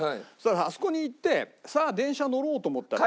あそこに行ってさあ電車乗ろうと思ったら。